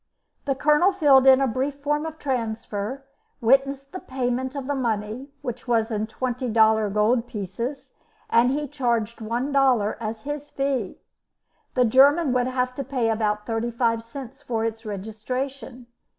The Colonel filled in a brief form of transfer, witnessed the payment of the money which was in twenty dollar gold pieces, and he charged one dollar as his fee. The German would have to pay about 35 cents for its registration.